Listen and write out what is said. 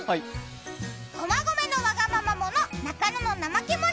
駒込のわがまま者、中野の怠け者。